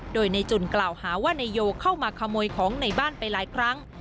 โดยในจุนกล่าวหาว่านายโยเข้ามาขโมยของในบ้านไปหลายครั้ง